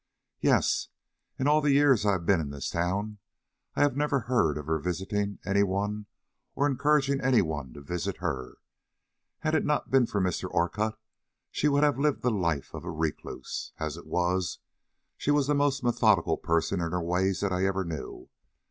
"Yes. In all the years I have been in this town I have never heard of her visiting any one or encouraging any one to visit her. Had it not been for Mr. Orcutt, she would have lived the life of a recluse. As it was, she was the most methodical person in her ways that I ever knew.